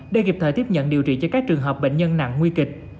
để kịp thời tiếp nhận điều trị cho các trường hợp bệnh nhân nặng nguy kịch